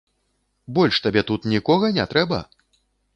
Больш табе тут нікога не трэба?